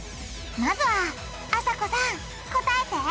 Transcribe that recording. まずはあさこさん答えて！